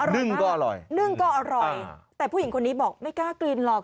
นึ่งก็อร่อยนึ่งก็อร่อยแต่ผู้หญิงคนนี้บอกไม่กล้ากลิ่นหรอก